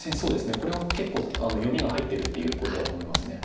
これは結構読みが入ってるっていうことだと思います。